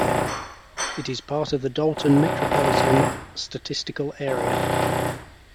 It is part of the Dalton Metropolitan Statistical Area.